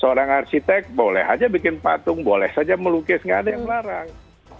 seorang arsitek boleh aja bikin patung boleh saja melukis nggak ada yang melarang